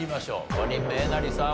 ５人目えなりさん